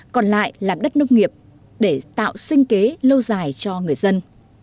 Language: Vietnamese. còn lại làm đất nông nghiệp để tạo sinh kế lâu dài cho người dân